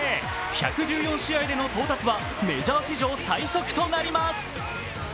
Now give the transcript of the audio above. １１４試合での到達はメジャー史上最速となります。